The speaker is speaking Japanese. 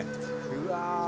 うわ！